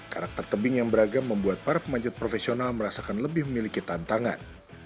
karakter tebing yang beragam membuat para pemanjat profesional merasakan lebih memiliki tantangan